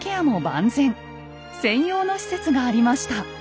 専用の施設がありました。